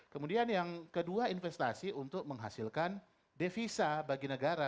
kemudian yang kedua investasi untuk menghasilkan devisa bagi negara